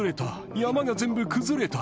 山が全部崩れた。